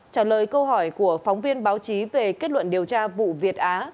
trả lời câu hỏi của phóng viên báo chí về kết luận điều tra vụ việt á